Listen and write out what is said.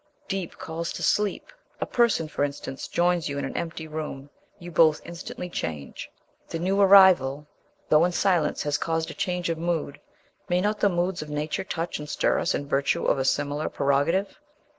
Deep calls to sleep. A person, for instance, joins you in an empty room: you both instantly change. The new arrival, though in silence, has caused a change of mood. May not the moods of Nature touch and stir us in virtue of a similar prerogative?